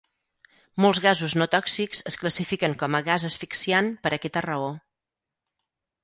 Molts gasos no tòxics es classifiquen com a gas asfixiant per aquesta raó.